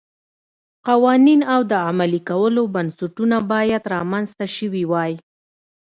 قوانین او د عملي کولو بنسټونه باید رامنځته شوي وای